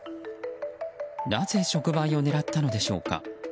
なぜ触媒を狙ったのでしょうか。